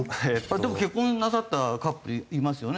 でも結婚なさったカップルいますよね？